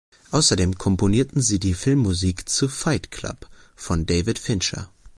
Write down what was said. Außerdem komponierten sie die Filmmusik zu Fight Club von David Fincher.